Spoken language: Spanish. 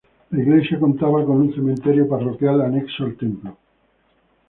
La iglesia contaba con un cementerio parroquial anexo al templo.